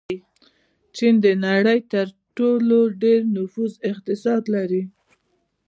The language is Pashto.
چین د نړۍ تر ټولو ډېر نفوس اقتصاد لري.